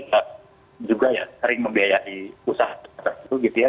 kita juga sering membiayai usaha tertentu gitu ya